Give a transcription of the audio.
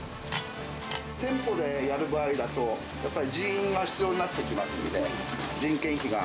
店舗でやる場合だと、やっぱり人員が必要になってきますので、人件費が。